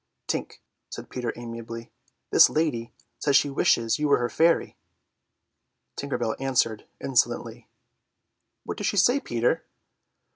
"Tink," said Peter amiably, "this lady says she wishes you were her fairy." Tinker Bell answered insolently. "What does she say, Peter?"